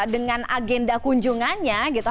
dengan agenda kunjungannya gitu